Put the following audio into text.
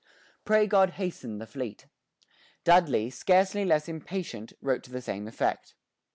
Pray God hasten the fleet." Dudley, scarcely less impatient, wrote to the same effect.